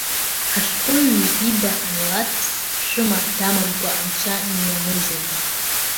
Ашәҟәыҩҩы ида амилаҭ аԥшәыма дамамкәа анцәа инумыжьын!